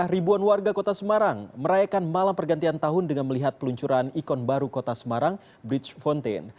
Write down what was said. ribuan warga kota semarang merayakan malam pergantian tahun dengan melihat peluncuran ikon baru kota semarang bridge fountain